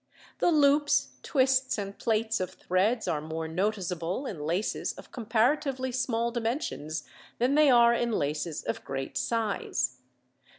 The loops, twists, and plaits of threads are more noticeable in laces of comparatively small dimensions than they are in laces of great size.